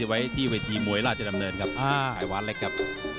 ไว้ที่เวทีมวยราชดำเนินครับไอวานเล็กครับ